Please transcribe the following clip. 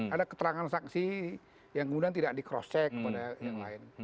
ada keterangan saksi yang kemudian tidak di cross check kepada yang lain